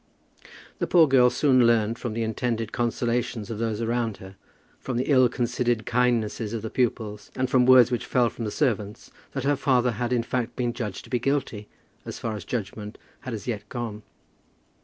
The poor girl soon learned from the intended consolations of those around her, from the ill considered kindnesses of the pupils, and from words which fell from the servants, that her father had in fact been judged to be guilty, as far as judgment had as yet gone.